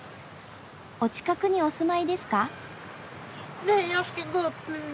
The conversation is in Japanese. お近くにお住まいですか？